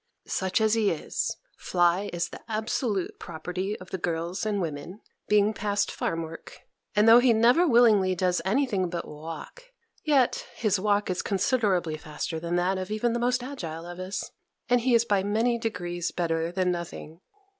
Such as he is, Fly is the absolute property of the girls and women, being past farm work; and though he never willingly does any thing but walk, yet his walk is considerably faster than that of even the most agile of us, and he is by many degrees better than nothing.